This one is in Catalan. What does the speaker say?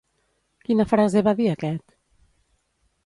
Quina frase va dir aquest?